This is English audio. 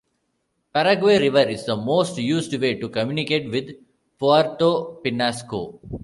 Paraguay River is the most used way to communicate with Puerto Pinasco.